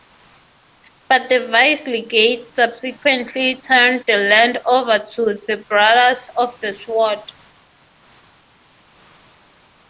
But the vice-legate subsequently turned the land over to the Brothers of the Sword.